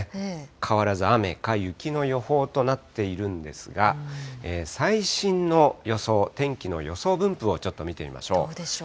変わらず雨か雪の予報となっているんですが、最新の予想、天気の予想分布をちょっと見てみましょどうでしょう。